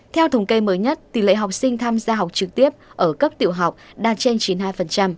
theo thống kê mới nhất tỷ lệ học sinh tham gia học trực tiếp ở cấp tiểu học đạt trên chín mươi hai